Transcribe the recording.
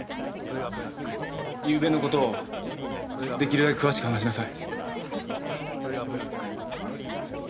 ゆうべの事をできるだけ詳しく話しなさい。